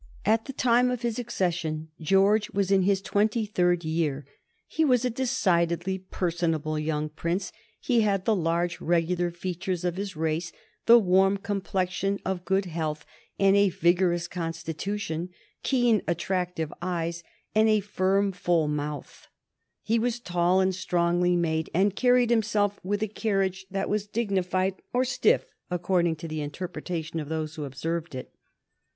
At the time of his accession George was in his twenty third year. He was a decidedly personable young Prince. He had the large regular features of his race, the warm complexion of good health, and a vigorous constitution, keen attractive eyes, and a firm, full mouth. He was tall and strongly made, and carried himself with a carriage that was dignified or stiff according to the interpretation of those who observed it.